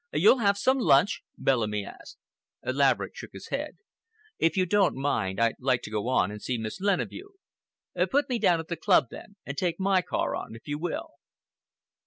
"You'll have some lunch?" Bellamy asked. Laverick shook his head. "If you don't mind, I'd like to go on and see Miss Leneveu." "Put me down at the club, then, and take my car on, if you will."